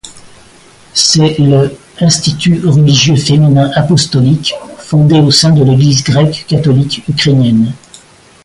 C'est le institut religieux féminin apostolique fondé au sein de l'Église grecque-catholique ukrainienne.